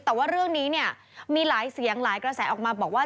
แต่ว่าเรื่องนี้เนี่ยมีหลายเสียงหลายกระแสออกมาบอกว่า